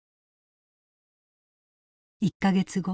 １か月後。